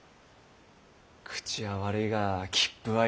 口は悪いが気風はいい。